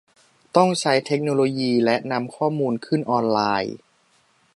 ต้องใช้เทคโนโลยีและนำข้อมูลขึ้นออนไลน์